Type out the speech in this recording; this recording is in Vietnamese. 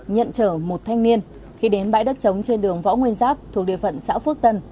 nhận chở một thanh niên khi đến bãi đất trống trên đường võ nguyên giáp thuộc địa phận xã phước tân